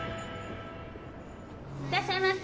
いらっしゃいませ。